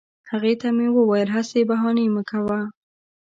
هغې ته مې وویل هسي بهانې مه کوه